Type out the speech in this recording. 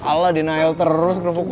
allah denial terus kerupuk kulit